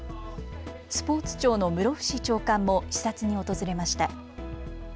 スポーツ庁の室伏長官も視察に訪れました。